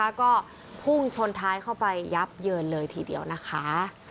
แล้วก็พุ่งชนท้ายเข้าไปยับเยินเลยทีเดียวนะคะ